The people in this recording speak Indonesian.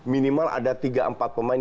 minimal ada tiga empat pemain